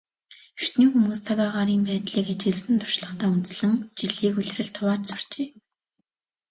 Эртний хүмүүс цаг агаарын байдлыг ажигласан туршлагадаа үндэслэн жилийг улиралд хувааж сурчээ.